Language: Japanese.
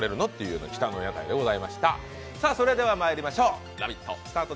それではまいりましょう、「ラヴィット！」